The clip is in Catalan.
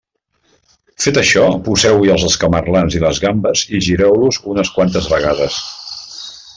Fet això, poseu-hi els escamarlans i les gambes i gireu-los unes quantes vegades.